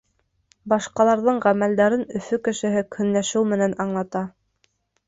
Башҡаларҙың ғәмәлдәрен Өфө кешеһе көнләшеү менән аңлата.